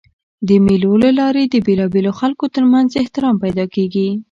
د مېلو له لاري د بېلابېلو خلکو تر منځ احترام پیدا کېږي.